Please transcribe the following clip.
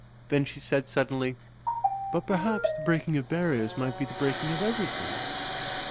Then she said, suddenly, "But perhaps the breaking of barriers might be the breaking of everything."